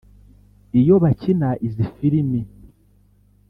Iyo bakina izi filimi